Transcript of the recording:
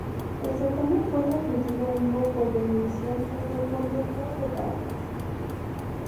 El certamen fue transmitido en vivo por Venevisión desde el Poliedro de Caracas.